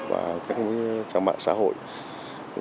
và các trang mạng xã hội